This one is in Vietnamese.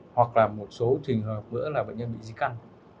hoặc là một số trường hợp nữa là bệnh nhân bị di căn